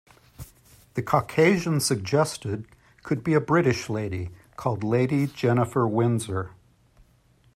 The Caucasian suggested could be a British Lady called Lady Jennifer Windsor.